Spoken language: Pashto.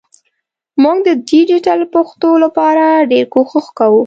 مونږ د ډیجېټل پښتو لپاره ډېر کوښښ کوو